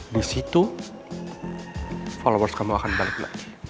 di situ followers kamu akan balik lagi